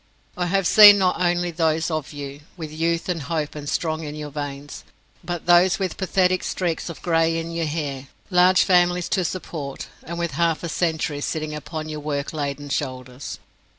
I have seen not only those of you with youth and hope strong in your veins, but those with pathetic streaks of grey in your hair, large families to support, and with half a century sitting upon your work laden shoulders.